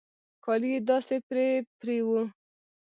کالي يې داسې پرې پرې وو.